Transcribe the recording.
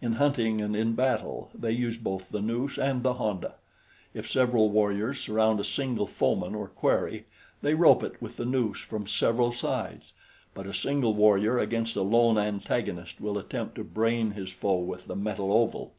In hunting and in battle, they use both the noose and the honda. If several warriors surround a single foeman or quarry, they rope it with the noose from several sides; but a single warrior against a lone antagonist will attempt to brain his foe with the metal oval.